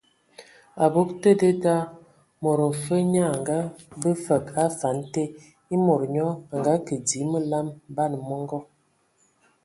Abog te dedā, mod mfe nyaa a ngabe fəg a afan te ; e mod nyo a ngəkə dzii məlam, ban mɔngɔ.